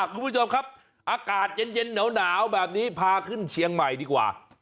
คุณผู้ชมครับอากาศเย็นหนาวแบบนี้พาขึ้นเชียงใหม่ดีกว่า